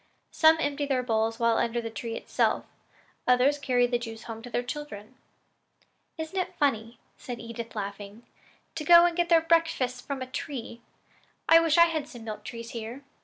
Some empty their bowls while under the tree itself; others carry the juice home to their children." "Isn't it funny," said Edith, laughing, "to go and get their breakfasts from a tree? I wish we had some milk trees here."